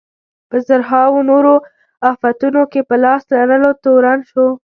په زرهاوو نورو افتونو کې په لاس لرلو تورن شو.